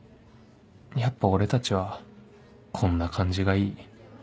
やっぱ俺たちはこんな感じがいい